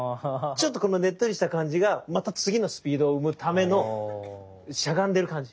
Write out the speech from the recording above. ちょっとこのねっとりした感じがまた次のスピードを生むためのしゃがんでる感じ。